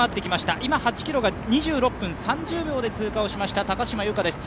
今、８ｋｍが２６分３０秒で通過した高島由香です。